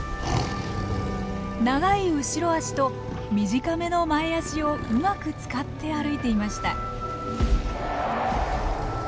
長い後ろ足と短めの前足をうまく使って歩いていました。